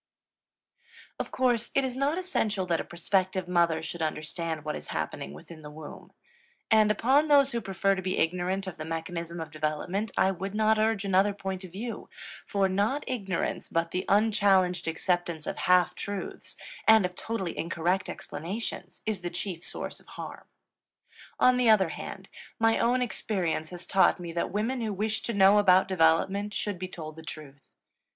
Of course it is not essential that a prospective mother should understand what is happening within the womb. And upon those who prefer to be ignorant of the mechanism of development I would not urge another point of view, for not ignorance but the unchallenged acceptance of "half truths" and of totally incorrect explanations is the chief source of harm. On the other hand, my own experience has taught me that women who wish to know about development should be told the truth.